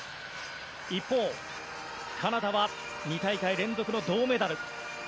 一方、カナダは２大会連続の銅メダル。